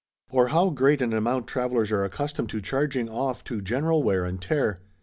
Or how great an amount travelers are accustomed to charging off to general wear and tear.